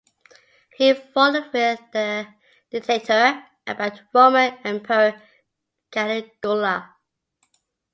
He followed with "The Dictator," about Roman emperor Caligula.